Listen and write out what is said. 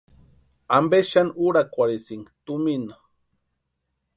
¿Ampe xani úrakwarhisïnki tumina?